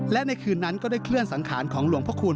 และในคืนนั้นก็ได้เคลื่อนสังขารของหลวงพระคุณ